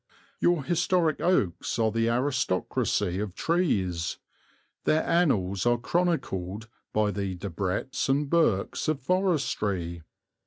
Your historic oaks are the aristocracy of trees; their annals are chronicled by the Debretts and Burkes of forestry.